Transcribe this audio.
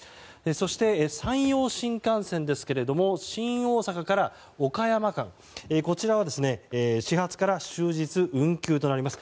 そして、山陽新幹線ですが新大阪から岡山間こちらは始発から終日運休となります。